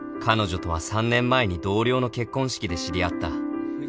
彼女とは３年前に同僚の結婚式で知り合った